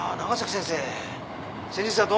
先日はどうも」